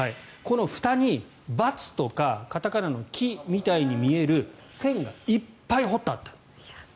このふたに「×」とかカタカナの「キ」みたいに見える線がいっぱい彫ってあった。